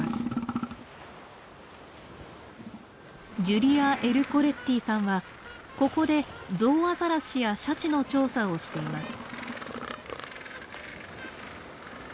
ジュリア・エルコレッティさんはここでゾウアザラシやシャチの調査をしています。